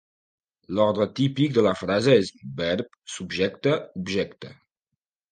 L'ordre típic de la frase és verb, subjecte, objecte.